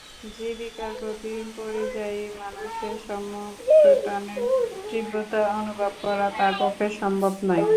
জীবিকার প্রতি পরিযায়ী মানুষের সম্মুখটানের তীব্রতা অনুভব করা তার পক্ষে সম্ভব নয়।